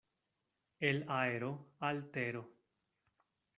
El aero al tero.